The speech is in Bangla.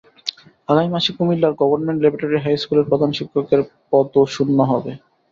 আগামী মাসে কুমিল্লার গভর্নমেন্ট ল্যাবরেটরি হাই স্কুলের প্রধান শিক্ষকের পদও শূন্য হবে।